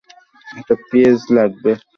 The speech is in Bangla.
আমি এখানে থাকতেই ভালোবাসি।